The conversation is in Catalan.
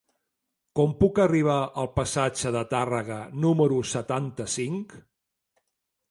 Com puc arribar al passatge de Tàrrega número setanta-cinc?